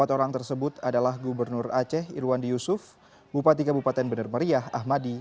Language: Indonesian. empat orang tersebut adalah gubernur aceh irwandi yusuf bupati kabupaten benar meriah ahmadi